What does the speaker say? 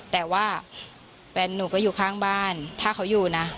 แต่ว่าแฟนหนูก็อยู่ข้างบ้านถ้าเขาอยู่นะ